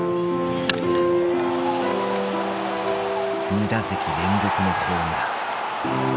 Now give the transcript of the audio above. ２打席連続のホームラン。